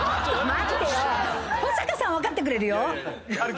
保阪さん分かってくれるよ。